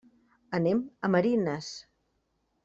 Anem a Marines.